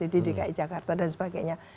di dki jakarta dan sebagainya